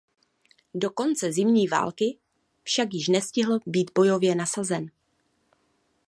Do konce Zimní války však již nestihl být bojově nasazen.